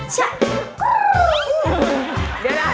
ชักชักหู้วว